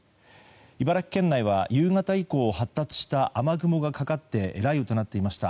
茨城県内は夕方以降発達した雨雲がかかって雷雨となっていました。